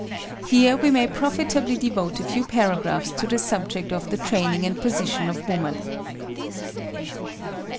Here we may profitably devote a few paragraphs to the subject of THE TRAINING AND POSITION OF WOMAN.